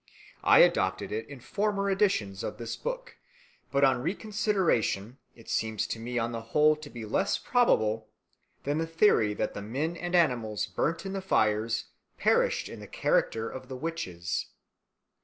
I adopted it in former editions of this book; but on reconsideration it seems to me on the whole to be less probable than the theory that the men and animals burnt in the fires perished in the character of witches.